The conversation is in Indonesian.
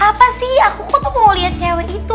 apa sih aku tuh mau liat cewek itu